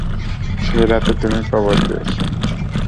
সেই রাতে তুমি কবর দিয়েছ।